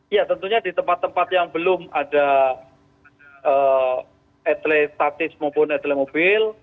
ya tentunya di tempat tempat yang belum ada etele statis maupun etele mobil